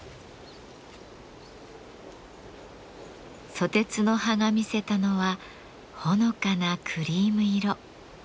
ソテツの葉が見せたのはほのかなクリーム色。